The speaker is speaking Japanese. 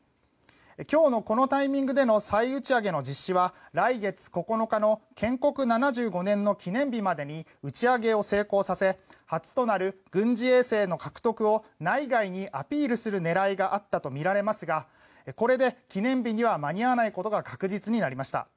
今日のこのタイミングでの再打ち上げの実施は来月９日の建国７５年の記念日までに打ち上げを成功させ初となる軍事衛星の獲得を内外にアピールする狙いがあったとみられますがこれで記念日には間に合わないことが確実になりました。